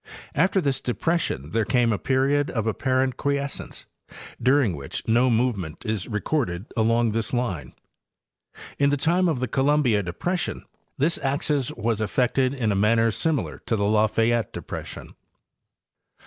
After this depression there came a period of apparent quiescence, during which no movement is recorded along this line.. In the time of the Columbia depression this axis was affected in a manner similar to the Lafayette depression.